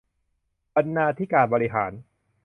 บรรณาธิการบริหาร